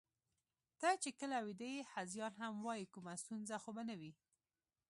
ته چې کله ویده یې، هذیان هم وایې، کومه ستونزه خو به نه وي؟